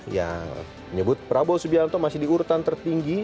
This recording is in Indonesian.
yang menyebut prabowo subianto masih di urutan tertinggi empat puluh lima lima